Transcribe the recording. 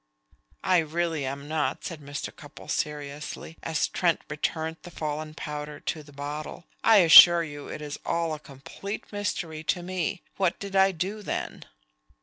"I really am not," said Mr. Cupples seriously, as Trent returned the fallen powder to the bottle. "I assure you it is all a complete mystery to me. What did I do then?"